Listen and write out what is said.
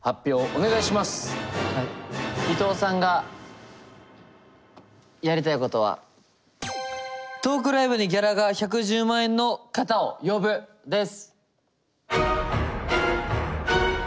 伊藤さんがやりたいことは「トークライブにギャラが１１０万円の方を呼ぶ」です。